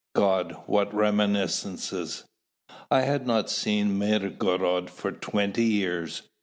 God, what reminiscences! I had not seen Mirgorod for twenty years.